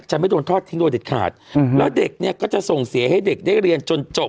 ไม่โดนทอดทิ้งโดยเด็ดขาดแล้วเด็กเนี่ยก็จะส่งเสียให้เด็กได้เรียนจนจบ